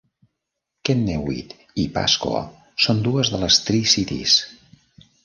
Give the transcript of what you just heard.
Kennewick i Pasco són dues de les Tri-Cities.